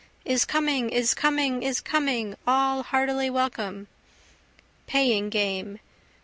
Is coming! Is coming!! Is coming!!! All heartily welcome. Paying game.